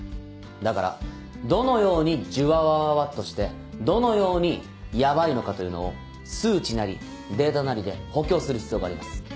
だからどのようにじゅわわわわっとしてどのようにヤバいのかというのを数値なりデータなりで補強する必要があります。